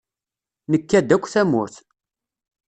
Nekka-d akk tamurt.